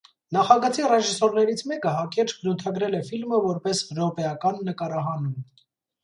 Նախագծի ռեժիսորներից մեկը հակիրճ բնաութագրել է ֆիլմը որպես «րոպեական նկարահանում»։